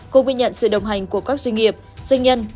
cùng với nhận sự đồng hành của các doanh nghiệp doanh nhân